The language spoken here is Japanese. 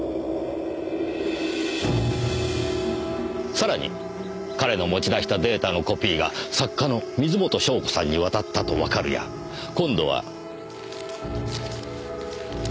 さらに彼の持ち出したデータのコピーが作家の水元湘子さんに渡ったとわかるや今度は。